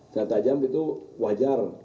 senjata tajam itu wajar